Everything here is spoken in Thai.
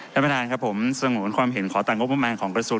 คุณประชาญครับผมสงวนความเห็นขอต่างกบมันของกระทรวง